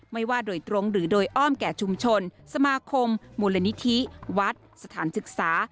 ไม่ว่าโดยตรงหรือโดยอ้อมแก่ชุมชนสมาคมมูลนิธิวัดสถานศึกษา